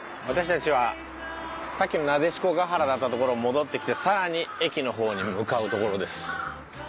私たちはさっきの撫子原だった所戻ってきてさらに駅の方に向かうところです。